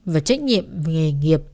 và trách nhiệm nghề nghiệp